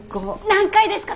何階ですか？